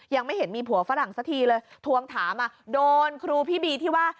ยังไม่เห็นมีผัวฝรั่งสักทีเลยทวงถามอ่ะโดนครูพี่บีที่ว่า